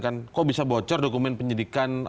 kan kok bisa bocor dokumen penyidikan